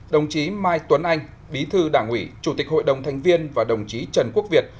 đồng chí mai tuấn anh bí thư đảng ủy chủ tịch hội đồng thành viên và đồng chí trần quốc việt